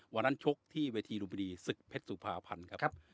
วันนั้นชกที่เวทีรุมบิดีศึกเพชรสุภาพันธ์ครับครับ